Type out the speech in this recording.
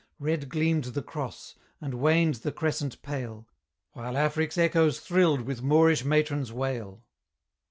Red gleamed the cross, and waned the crescent pale, While Afric's echoes thrilled with Moorish matrons' wail.